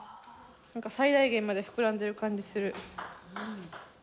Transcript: なんか最大限まで膨らんでる気がする。